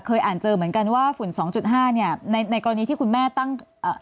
เคยอ่านเจอเหมือนกันว่าฝุ่น๒๕ในกรณีที่คุณแม่ตั้ง